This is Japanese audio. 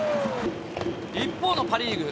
一方のパ・リーグ。